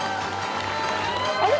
あれ？